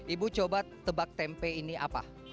ibu coba tebak tempe ini apa